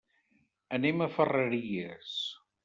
Anem a Ferreries.